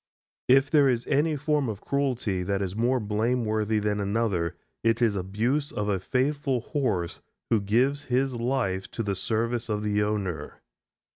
If there is any form of cruelty that is more blameworthy than another, it is abuse of a faithful horse who gives his life to the service of the owner.